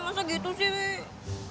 masa gitu sih